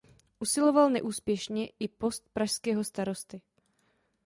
Usiloval neúspěšně i post pražského starosty.